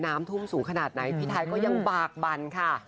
ทุ่มสูงขนาดไหนพี่ไทยก็ยังบากบั่นค่ะ